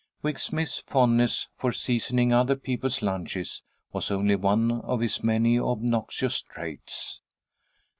Wig Smith's fondness for seasoning other people's lunches was only one of his many obnoxious traits.